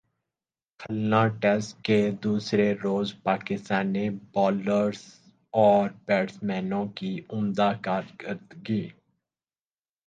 کھلنا test کے دوسرے روز پاکستانی بالرزاور بیٹسمینوں کی عمدہ کارکردگی